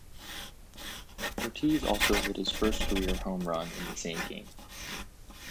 Ortiz also hit his first career home run in the same game.